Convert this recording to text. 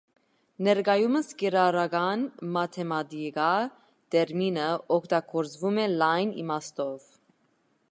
Ներկայումս կիրառական մաթեմատիկա տերմինը օգտագործվում է լայն իմաստով։